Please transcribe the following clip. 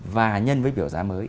và nhân với biểu giá mới